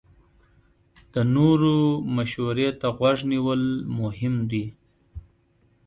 د نورو مشورې ته غوږ نیول مهم دي.